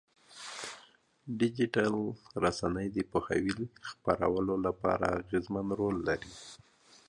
ډيجيټلي رسنۍ د پوهاوي خپرولو لپاره اغېزمن رول لري.